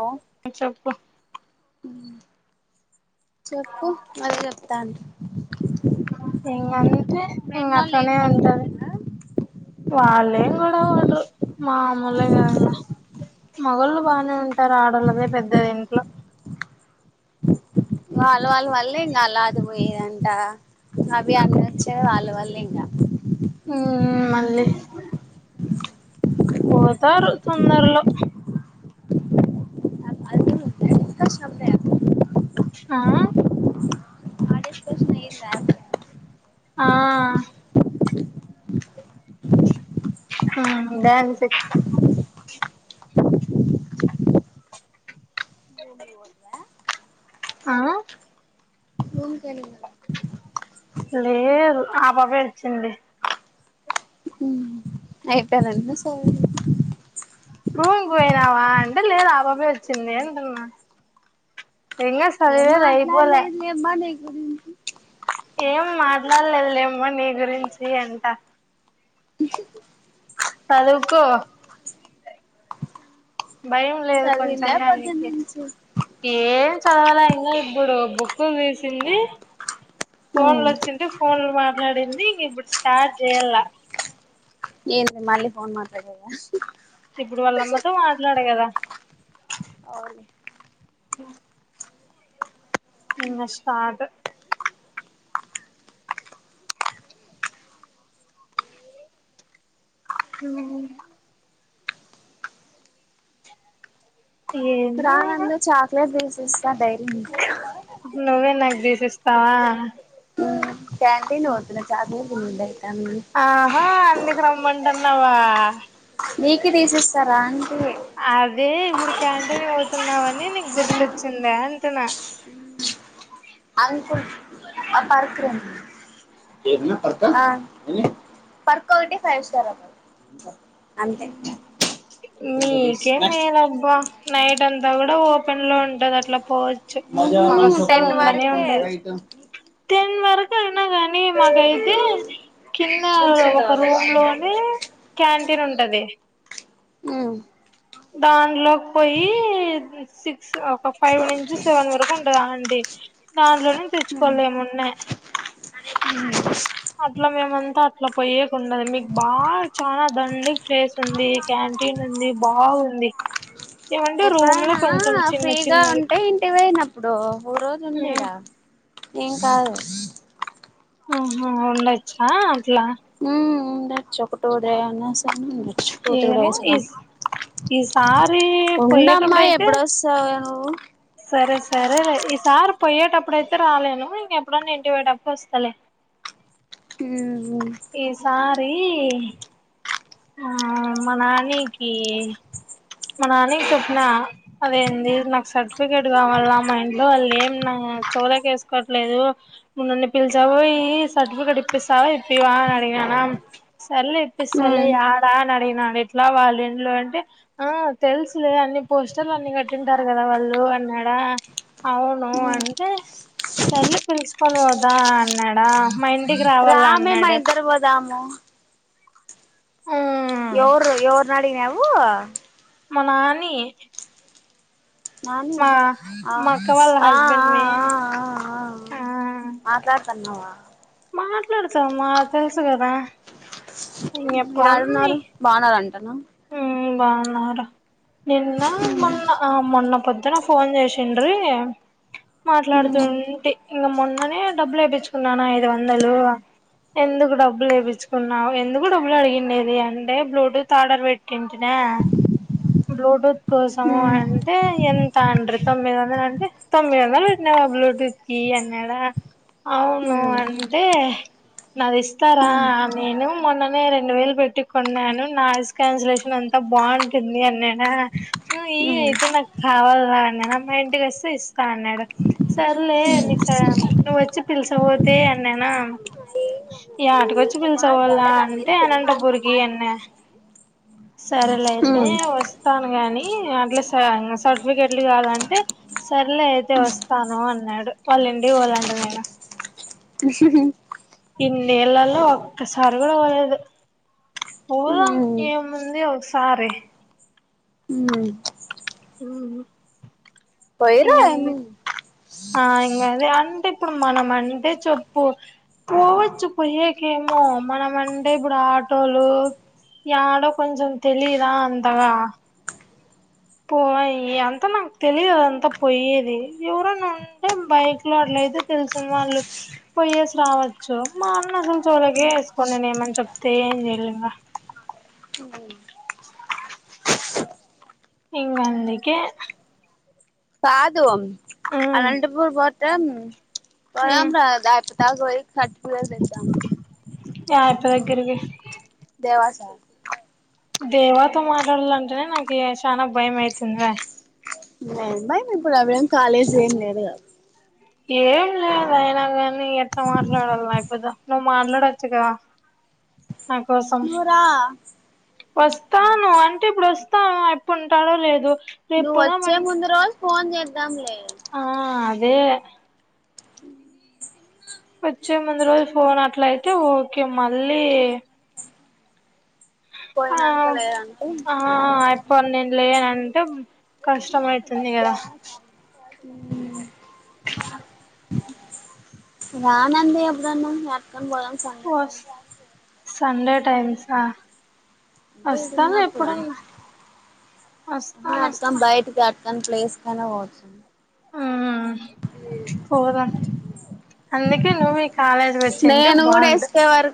Hello హూ చెప్పు చెప్పు మరి చెప్తాను ఇంక అంటే ఇంకా ఫ్రెండ్నోళ్ళు ఏం అట్లానే గొడవ ఉంటది పడరా వాళ్ళేం గొడవ పడరు మామూలేగా ఇంకా అన్ని మొగోళ్ళు బానే ఉంటారు ఆడళ్ళదే పెద్దది ఇంట్లో వాళ్ళు వాళ్ళ వల్లే ఇంకా అలా అది పోయేదంట అవి అగే వచ్చే వాళ్ళవల్ంగా హూ.... మళ్ళీ పోతారు తొందరలో ఇక్కడ చంపేయాలి ఆ ఆ డిస్కషన్ అయిందా ఆ.... హూ డాన్స్ ఎయ్ రూమ్కి పోతువా ఆ వూన్కెళ్ళింది అంట లేదు ఆపాపే ఇచ్చింది హ అయిపోయానండి సరే రూమ్కి పోయినావా అంటే లేదు ఆబాబే వచ్చింది అంటున్న ఇంకా సదివేది అయిపోలే ఏమ్మా నీ గురించి ఏం మాట్లాడలేదు లేమ్మ నీ గురించి అంటున్న సదువుకో భయం లేదు చదివిందా కొంచంగానికి పొద్దున్నుంచి ఏం చదవల ఇంకా ఇప్పుడు బుక్కులు తీసింది ఫోన్లు వచ్చింటే ఫోన్లు మాట్లాడింది ఇంగ ఇప్పుడు స్టార్ట్ చేయాల ఏన్ మళ్ళీ ఫోన్ మాట్లాడదామా అని చూస్తున్నా ఇప్పుడు వాళ్ళమ్మతో మాట్లాడే కదా అవును అ ఇంగ స్టార్ట్ ఉం రాా ఏందో ఇగ నందు చాక్లెట్ తీసిస్తా డైరీమిల్క్ నువ్వే నాకు తీసీస్తావా క్యాంటీన్ వొద్దులే చాక్లెట్లు తింటా ఈ టైమ్ లోనే [unintelligible] ఆహా అందుకు రమ్మంటున్నావా నీకి తీసిస్తారా అంటే అదే ఇప్పుడు క్యాంటీనీ పోతున్నావని నీకు గుర్తొచ్చింద అంటున్నా అనుకు పర్క రం [unintelligible] పర్క్ ఒకటి ఫైవ్ స్టార్ ఒకటి అంతే మీకే నెక్స్ట్ మేలబ్బా నైట్ అంతా కూడా ఓపెన్ లో ఉంటది అట్లా పోజ చ్ మాకు అసలు టెన్ ఉండనే వరకే ఉండదు టెన్ వరకు అయినాగాని కానీ మాకు అయితే కింద ఒక రూమ్ లోనే క్యాంటీన్ ఉంటది ఉమ్ దానిలోకి పోయి సిక్స్ ఒక ఫైవ్ నుంచి సెవెన్ వరకు ఉంటధి ఆంటీ దాంట్లోనేే తెచ్చుకోవాల ఏమున్న ఉం అట్లా మేమంతా అట్లా పోయేకుండదు మీకు బాగా చాల దండి ప్లేస్ ఉంది క్యాంటీన్ ఉంది బాగుంది ఏమంటే రూమ్ లో ఎప్పుడైనా కొంచెం చిన్న ఫ్రీగా చిన్నవి ఉంటే ఇంటిపోయినప్పుడు ఒక రోజు ఉండేగ ఉమ్ ఏం కాదు ఆహ ఉండచ్చా అట్లా ఉ చ ఒకటడ అన్న ఉ [unintelligible] టూ త్రీ ఏమో డేస్ ఆ ఈస్ ఈసారి ఉండమ్మా పోయేటప్పుడయితే ఎప్పుడో సను [unintelligible] సరే సరేలే ఈ సారి పోయేటప్పుడుతే రాలేను ఇంకెప్పుడైన్నా ఇంటి పోయేటప్పుడు వస్తలే ఉం ఈసారి ఆ మా నానికి మా నానికి చెప్పిన అదేంది నాకు సర్టిఫికేట్ కావాల మా ఇంట్లో వాళ్ళు ఏం చెవులకేసుకోట్లేదు నువ్వు నన్ను పిల్చా పోయి సర్టిఫికెట్ ఇప్పిసావా ఇప్పివా అని అడిగినా సర్లే ఇప్పిస్తలే ఉమ్ యాడా అని అడిగినాడు ఎట్లా వాళ్ళు ఇండ్లు అంటే ఆ తెలుసులే అన్ని పోస్టర్లు అన్ని కట్టింటారు కదా వాళ్ళు అన్నాడా అవును అంటే సర్లే పిలుచుకొని పోదా అన్నాడా మా ఇంటికి రావల అన్నాడు వదాము [unintelligible] ఎవరు ఎవర్ నడిగినావు మా నాని నాని మా ఆ మా అక్క వాళ్ళ ఆ హస్బెండ్ మే ఆ ఆ మాట్లాడతానవా మాట్లాడుతా మా తెలుసు కదా ఇంకెప్పుడన్నీ ఎడున్నారు బాగున్నారు అంటనా మ్మ్ బాగున్నారు నిన్న మొన్న ఆ మొన్న పొద్దున ఫోన్ చేసిండ్రి మాట్లాడుతుంటి ఇంక మొన్ననే డబ్బులు ఏపిచ్చక్కున్నాన ఐదు వందలు ఎందుకు డబ్బులు లేయిించుకున్నావు ఎందుకు డబ్బులు అడిగండేది అంటే బ్లూటూత్ ఆర్డర్ పెట్టి ట్టింటినా బ్ల్యూటూత్ కోసం ఉమ్ అంటే ఎంత అండ్రి తొమ్మిది వందల అంటే తొమ్మిది వందలు పెట్టినావా బ్లూటూత్ కి అన్నాడ అవును అంటే నాది ఇస్తారా నేను మొన్ననే రెండు వేలు పెట్టి కొన్నాను నా క్యాన్సలేషన్ అంతా బాగుంటుంది అ అన్నాడా ఇ అయితే నాకు కావల్ల అన్నాడా మా ఇంటికి వస్తే ఇస్తా అన్నాడు సర్లే మీ ఇష్టం నువ్వు వచ్చి పిలుస పోతే అన్నానా యాటకొచ్చి పిలిచవాళ్ళ అంటే అనంటపూర్ కిఅన్న సరేలేయితే వస్తాను గాని అట్లా స సర్టిఫికెట్లు కాదంటే సర్లే అయితే వస్తాను అన్నాడు వాళ్ళింటికి పోల్లంట నేను [unintelligible] ఇన్ని ఏళ్లలో ఒక్కసారి కూడా పోలేదు పోదాం ఏముంది ఒక సారీ ఉమ్ హుమ్ పోయిరా ఇంకేముంది ఏముంది ఆ ఇంకాద అంటే ఇప్పుడు మనం అంటే చెప్పు పోవచ్చు పోయ్యేకేమో మనం అంటే ఇప్పుడు ఆటోలు యడో కొంచం తెలీదా అంతగా పో అంత నాకు తెలిదు అంతా పోయ్యేది ఎవరోనా అంటే బైక్ లో అట్లయితే తెలిసిన వాళ్ళు పోొయ్యేసి రావచ్చు మా అన్న అసలు చోవ్లోకే వేసుకోడు నేను ఏమని చెప్తే ఏం చెయ్యల్లింగ [inaudible] ఇంగ అందుకే కాదు ఉమ్ అనంతపూర్ పోతే పోదాం ఉమ్ రా డాక్టర్ కాడికి పోయి సతపియాల తెదాం యాయప్ప దగ్గరకి దెవా సార్ దేవా తో మాట్లాడాలంటేనే నాకి చనా భయం అయితంద [unintelligible] ఇప్పుడువేం కాలేజ్ ఏం లేదు కదా ఏం లేదు అయినా కానీ ఎట్లా మాట్లాడాలి ఐప్పతో నువ్వు మాట్లాడొచ్చు కదా నాకోసం నువ్వు రా వస్తాను అంటే ఇప్పుడు వస్తాను ఆయప్పుంటాడో లేదో నువ్ వచ్చే ముందు రోజు ఫోన్ చేద్దాంలే ఆ అదే వచ్చే ముందు రోజు ఫోన్ అట్లయితే ఓకే మళ్ళీ ఆ పోయినాంకలేదంటే ఆ ఆయప్ప నేను లేనంటే కష్టం అవుతుంది కదా అ [unintelligible] రా నంది ఎబ్బుడన్న యాటికన్న పోదాం. సండే టైం ఓస్ సండే టైమింగ్స్ ఆ ఈడున్నప్పుడా వస్తాను నాటకమ్ వస్తా బయట కట్ కాని ప్లేస్ కైనా పోవచ్చు. హ్ పోదాం అందుకే నువ్వీ నేను కూడా ఎస్ కె. వారు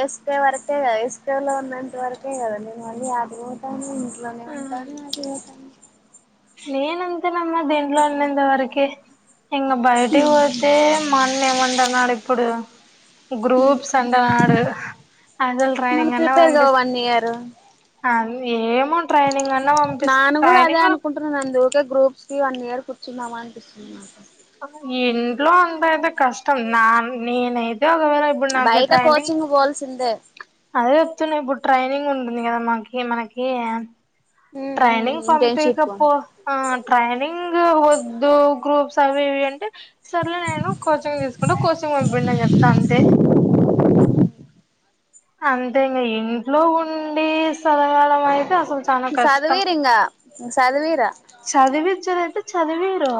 ఎస్ కె వరకే కదా ఎస్ కె లో ఉన్నంతవరకే కదా నేను మళ్లీ యాటికి పోతాను. మ్ బలవంతంగా చేయకండి. నేనంతేనమ్మా దీంట్లో ఉన్నంతవరకే. ఇంగ బయటకి పోతే మా అన్న ఏమంటున్నాడు ఇప్పుడు గ్రూప్స్ అంటాన్నాడు. అసలు ట్రైనింగ్ అన్న సో వన్ ఇయరు ఏమో ట్రైనింగ్ అన్నా పంపిస్త నాను కూడా అదే ట్రైనింగ్ అనుకుంటున్నాను అందుకే గ్రూప్స్ కి వన్ ఇయర్ కూర్చున్నామా అనిపిస్తుంది నాకు ఇంట్లో ఉంటే అయితే కష్టం నా నేనైతే ఒకవేళ ఇప్పుడు నాకు బయట ట్రైనింగ్. కోచింగ్ పోల్సిందే. అదే చెప్తున్న ఇప్పుడు ట్రైనింగ్ ఉంది కదా మాకి మనకి ట్రైనింగ్ పంపిక ఇంటర్న్షిప్ పో ఆ ట్రైనింగ్ వద్దు గ్రూప్స్ అవి ఇవి అంటే సర్లే నేను కోచింగ్ తీసుకుంటా కోచింగ్ పంపియండి అని చెప్తా అంతే. అంతే ఇంక, ఇంట్లో ఉండి సదవడం అయితే అసలు చానా చదువీరింగా చదువీరు చదివి ఇచ్చుడు అంటే చదివీరు.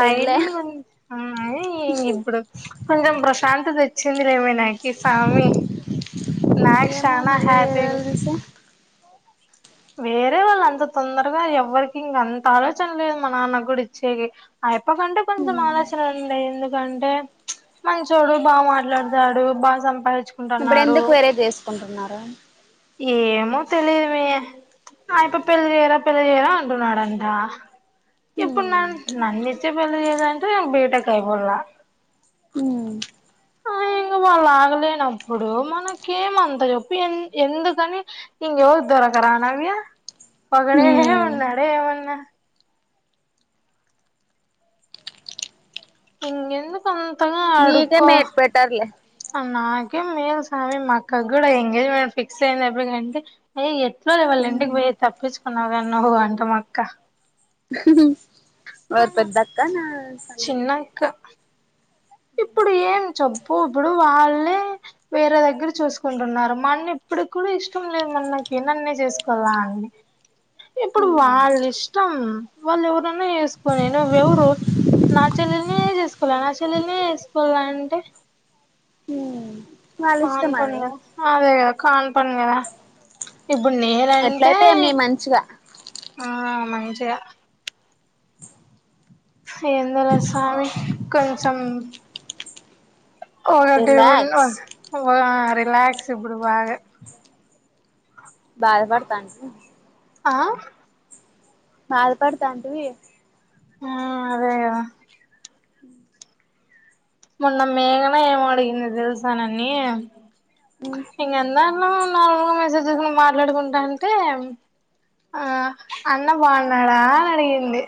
పెన్లే ఉన్నాయి ఇంగ ఇప్పుడు. కొంచెం ప్రశాంతత ఇచ్చింది లేమె నాకి సామి నాకు ఏమో చానా మళ్ళీ వేరే హ్యాపీ వాళ్ళు గుంది. చూస్తే వేరే వాళ్ళు అంత తొందరగా ఎవ్వరికి ఇంక అంత ఆలోచన లేదు మా నాన్న కూడా ఇచ్చేకి ఆయప్ప కంటే కొంచెం ఆలోచనుంది. ఎందుకంటే మంచోడు, బాగా మాట్లాడతాడు బాగా సంపాదించు ఇప్పుడు ఎందుకు వేరే చేసుకుంటున్నారు. ఏమో తెలీదు మీ నా యప్ప పెళ్లి చేయరా పెళ్లి చేయరా అంటున్నాడంట. ఇప్పుడు ఉమ్ నన్ ఇచ్చి పెళ్ళి చేయాలంటే బీటేక్ ఐ బోవల్ల మ్ ఆ ఇంకా వాళ్ళు ఆగలేనప్పుడు మనకేమంత చెప్పు ఎందుకని ఇంక ఎవరు దొరకరా నవ్యా ఒక డే ఉమ్ ఉన్నాడా ఏమన్నా? ఇంకేందు అంత గా నీకే అడుకో మేట్ పెట్టర్లే నాకే మేలు స్వామి మా అక్కకు కూడా ఎంగేజ్మెంట్ ఫిక్స్ అయింది ఆయప్పటికంటే ఏయ్ ఎట్లే లే వాళ్ళు ఇంటికి పోయేది తప్పించుకున్నావు కానీ నువ్వు అంట మా అక్క. హ్ హూ పెద్దక్కా చిన్నక్కనా నాకు ఇప్పుడు ఏం చెప్పు ఇప్పుడు వాళ్ళే వేరే దగ్గర చూసుకుంటున్నారు. మా అన్న ఇప్పుడు కూడా ఇష్టం లేదు మనకి నన్నే చేసుకోల్లా అని ఇప్పుడు వాళ్ళ ఇష్ట ఇష్టం వాళ్ళు ఎవరనన్నా చేసుకోని నువ్వు ఎవరు నా చెల్లెలినే చేసుకోలే నా చెల్లెలినే వేసుకోలన అంటే వాళ్ళ కాని ఇష్టం పని అది కదా అదేలే కానీ పని కదా ఇప్పుడు నేను ఎట్లయితే ఎమ్ నే మంచిగా ఆ మంచిగా ఏందోలే స్వామి కొంచెం రిలాక్స్ [unintelligible] రిలాక్స్ ఇప్పుడు బగా బాధపడతాండు ఆ బాధ పడతాంటివి ఆ అదే కదా ఉ మొన్న మేడమే ఏమడిగిందో తెలుసా నన్ని ఇంగ ఎంద నార్మల్ గా మెసేజ్ చేసుకుంటా మాట్లాడుకుంటా అంటే ఆ అన్న బాగున్నాడా అని అడిగింది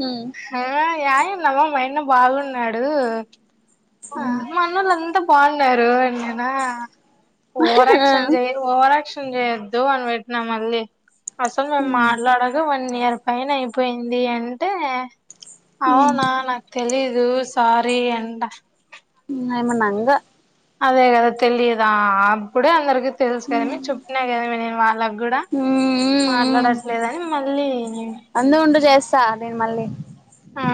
ఉమ్ ఆ యాయ్ నవ్వమ్మాయన్న బాగున్నాడు అ మనోళ్లంతా బాగున్నారు నాన్న ఓవరాక్షన్ చేయకు నువ్వు ఓవరాక్షన్ చేయొద్దు అని పెట్నా మళ్ళీ అసలు నువ్వు మాట్లాడ డోద్దు వన్ ఇయర్ పైన అయిపోయింది అంటే అవునా నాకు తెలీదు సారీ అంట నేమనంగా అదే కదా తెలియదా అప్పుడే అందరికి తెలుసు గానీ చెప్పినా కదా నేను వాళ్ళకు కూడా మాట్లాడట్లేదని మళ్ళీ అందు ఉండు చేస్తా నేను మళ్ళీ ఆ